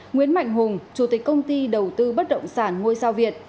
nguyễn mạnh hùng chủ tịch công ty đầu tư bất động sản ngôi sao việt